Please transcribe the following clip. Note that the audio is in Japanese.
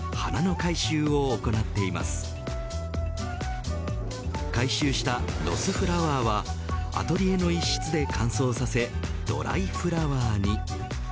回収したロスフラワーはアトリエの一室で乾燥させドライフラワーに。